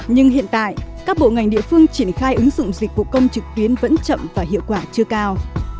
nhưng hiện tại các bộ ngành địa phương triển khai ứng dụng dịch vụ công trực tuyến vẫn chậm và hiệu quả chưa cao